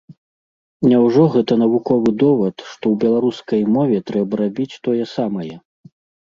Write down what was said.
Няўжо гэта навуковы довад, што ў беларускай мове трэба рабіць тое самае?